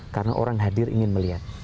karena orang hadir ingin melihat